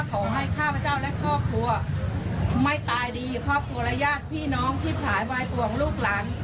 ข้าพเจ้าและครอบครัวไม่ตายดีครอบครัวและญาติพี่น้องที่ผายวายห่วงลูกหลาน